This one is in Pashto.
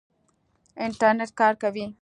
انټرنېټ کار کوي؟